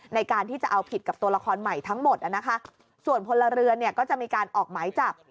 ในการที่จะเอาผิดกับตัวละครใหม่ทั้งหมดนะคะส่วนพลเรือนเนี่ยก็จะมีการออกหมายจับ